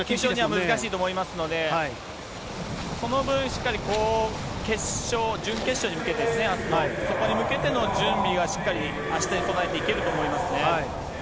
難しいと思いますので、この分、しっかり決勝、準決勝に向けて、あすの、そこに向けての準備はしっかり、あしたに備えていけると思いますね。